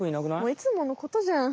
いつものことじゃん。